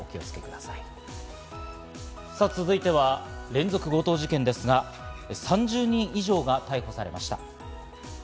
さぁ続いては、連続強盗事件ですが、３０人以上が逮捕されました。